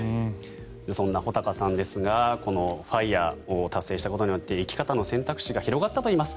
そんな穂高さんですがこのＦＩＲＥを達成したことによって生き方の選択肢が広がったといいます。